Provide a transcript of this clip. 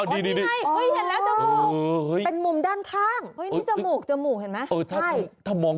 โอ้นี่ไงเห็นอ่ะจมูกเป็นมุมด้านข้าง